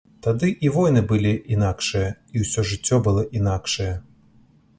Тады і войны былі інакшыя, і ўсё жыццё было інакшае.